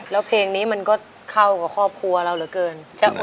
แล้วเพลงนี้มันก็เข้ากับครอบครัวเราเหลือเกิน